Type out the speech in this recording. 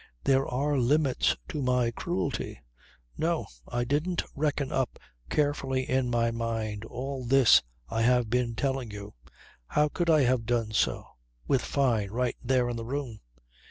There are limits to my cruelty. No! I didn't reckon up carefully in my mind all this I have been telling you. How could I have done so, with Fyne right there in the room?